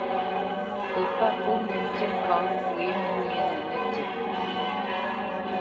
Pə pâ pó nətí kâ wě məníénə nətí.